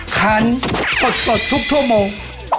คันปรดสดทุกโมง